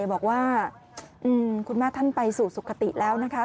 บอกว่าคุณแม่ท่านไปสู่สุขติแล้วนะคะ